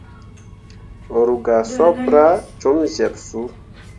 Ru gah sopra com zyeɓsuu.